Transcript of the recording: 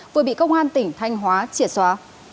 vừa bị công an tỉnh thanh hóa triệt xóa